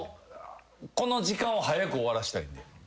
この時間を早く終わらしたいんで。